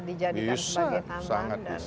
dijadikan sebagai taman